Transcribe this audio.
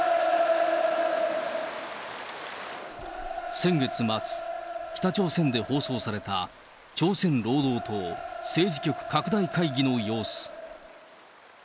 先月末、北朝鮮で放送された朝鮮労働党政治局拡大会議の様子。